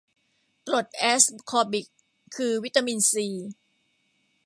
กรดแอสคอบิก คือวิตามินซี